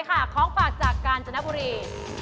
ของฝากจากกาญจนบุรี